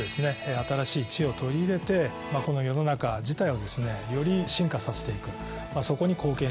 新しい「知」を取り入れてこの世の中自体をですねより進化させていくそこに貢献していきたい。